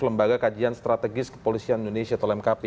lembaga kajian strategis kepolisian indonesia atau mkp